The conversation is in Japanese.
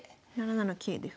７七桂で。